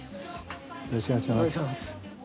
よろしくお願いします。